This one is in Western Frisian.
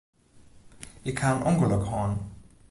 Ik ha in ûngelok hân.